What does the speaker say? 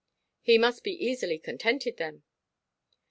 "He must be easily contented, then."